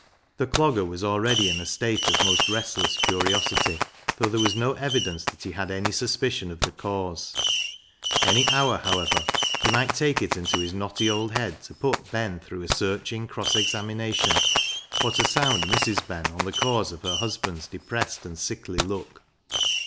The Clogger was already in a state of most restless curiosity, though there was no evidence that he had any suspicion of the cause. Any hour, however, he might take it into his knotty old head to put Ben through a searching cross examination, or to sound Mrs. Ben on the cause of her husband's depressed and sickly look.